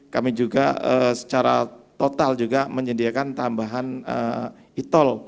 kami juga secara total juga menyediakan tambahan e tol